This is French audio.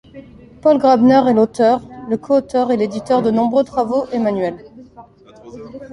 Paul Graebner est l'auteur, le coauteur et l'éditeur de nombreux travaux et manuels.